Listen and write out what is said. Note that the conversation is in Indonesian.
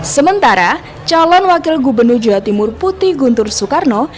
sementara calon wakil gubernur jawa timur putih guntur soekarno